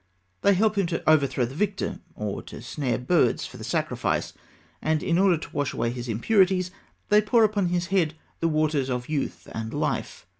They help him to overthrow the victim or to snare birds for the sacrifice; and in order to wash away his impurities, they pour upon his head the waters of youth and life.